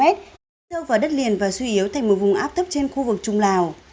di chuyển chủ yếu vào đất liền và suy yếu thành một vùng áp thấp trên khu vực trung lào